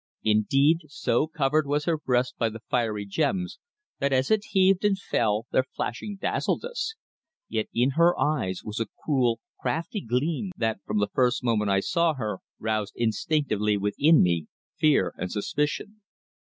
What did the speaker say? Indeed, so covered was her breast by the fiery gems that as it heaved and fell their flashing dazzled us; yet in her eyes was a cruel, crafty gleam that from the first moment I saw her roused instinctively within me fear and suspicion.